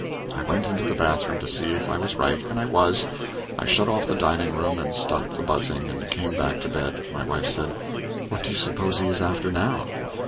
I went into the bath room to see if I was right, and I was. I shut off the dining room and stopped the buzzing, and came back to bed. My wife said, "What do you suppose he is after now?"